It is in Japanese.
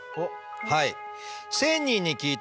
はい。